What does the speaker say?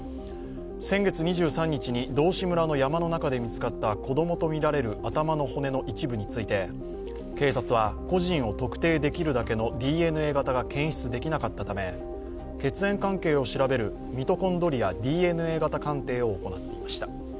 先月２３日に道志村の山の中で見つかった子供とみられる頭の骨の一部について、警察は個人を特定できるだけのＤＮＡ型が検出できなかったため、血縁関係を調べるミトコンドリアＤＮＡ型鑑定を行っていました。